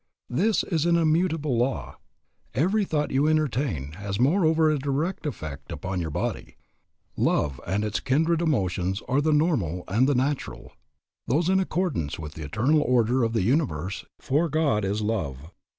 This is an immutable law. Every thought you entertain has moreover a direct effect upon your body. Love and its kindred emotions are the normal and the natural, those in accordance with the eternal order of the universe, for "God is love."